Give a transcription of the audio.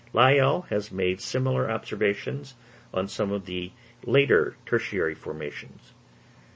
Lyell has made similar observations on some of the later tertiary formations.